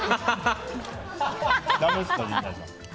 だめですか、陣内さん。